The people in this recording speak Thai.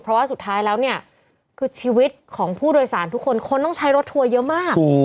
เพราะว่าสุดท้ายแล้วเนี่ยคือชีวิตของผู้โดยสารทุกคนคนต้องใช้รถทัวร์เยอะมาก